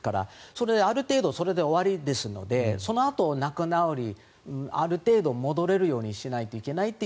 それである程度それで終わりですのでそのあと仲直りある程度、戻れるようにしないといけないと。